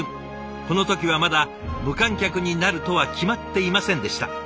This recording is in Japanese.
この時はまだ無観客になるとは決まっていませんでした。